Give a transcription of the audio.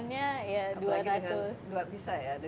iya per bulannya dua ratus